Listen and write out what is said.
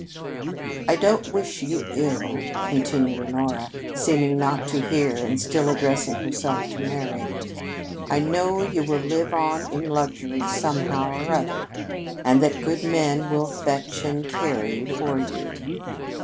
"I don't wish you ill," continued Honora, seeming not to hear and still addressing herself to Mary. "I know you will live on in luxury somehow or other, and that good men will fetch and carry for you.